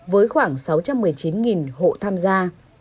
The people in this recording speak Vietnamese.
với khoảng sáu trăm một mươi chín hộ tham gia